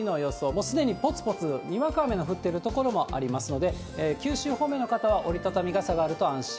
もうすでにぽつぽつにわか雨の降っている所もありますので、九州方面の方は折り畳み傘があると安心。